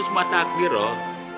lu cuma takdir roh